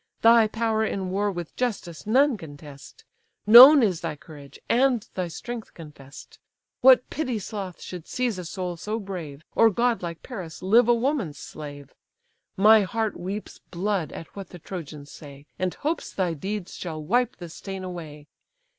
Thy power in war with justice none contest; Known is thy courage, and thy strength confess'd. What pity sloth should seize a soul so brave, Or godlike Paris live a woman's slave! My heart weeps blood at what the Trojans say, And hopes thy deeds shall wipe the stain away.